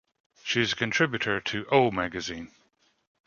She is a contributor to "O Magazine".